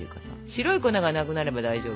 白い粉がなくなれば大丈夫。